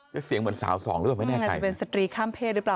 ก็เสียงเหมือนสาวสองไม่แน่ใครมันก็จะเป็นสตรีข้ามเพศหรือเปล่า